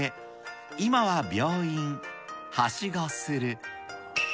今は病院はしごする。